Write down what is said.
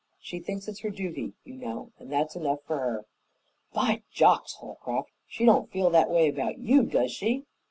She thinks it's her duty, you know, and that's enough for her." "By jocks, Holcroft! She don't feel that way about you, does she?"